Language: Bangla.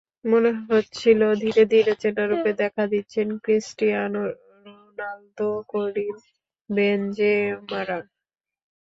মনে হচ্ছিল, ধীরে ধীরে চেনা রূপে দেখা দিচ্ছেন ক্রিস্টিয়ানো রোনালদো-করিম বেনজেমারা।